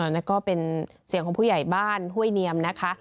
แล้วก็เป็นเสียงของผู้ใหญ่บ้านห้วยเนียมนะคะ